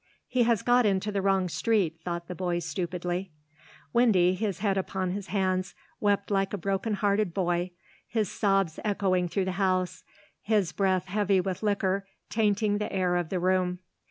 "He has got into the wrong street," thought the boy stupidly. Windy, his head upon his hands, wept like a brokenhearted boy, his sobs echoing through the house, his breath heavy with liquor tainting the air of the room.